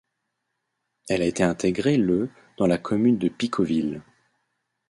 Elle a été intégrée le dans la commune de Picauville.